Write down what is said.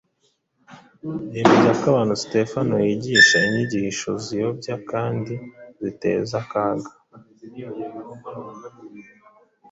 yemeza abantu ko Sitefano yigisha inyigisho ziyobya kandi ziteza akaga